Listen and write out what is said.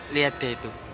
lihat deh itu